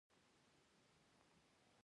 کفن يې څيري کړ او د ژوند پر ډګر يې چيغه کړه.